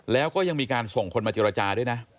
แล้วก็ยังมีการส่งคนมาเจรจาด้วยนะ